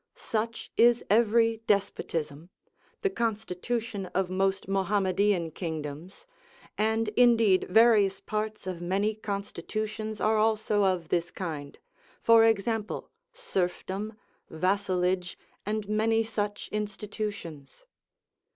Such is every despotism, the constitution of most Mohammedan kingdoms; and indeed various parts of many constitutions are also of this kind; for example, serfdom, vassalage, and many such institutions.